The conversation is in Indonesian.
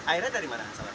airnya dari mana